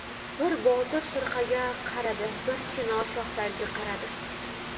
bir Botir firqaga qaradi, bir chinor shoxlariga qaradi.